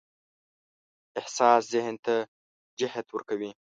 احساس ذهن ته جهت ورکوي.